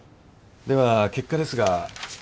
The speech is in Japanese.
では結果ですが。